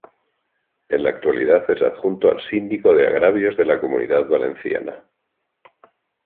En la actualidad es adjunto al Síndico de Agravios de la Comunidad Valenciana.